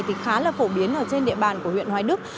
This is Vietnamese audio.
thì khá là phổ biến ở trên địa bàn của huyện hoài đức